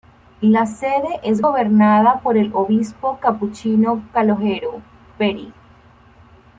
La sede es gobernada por el obispo capuchino Calogero Peri.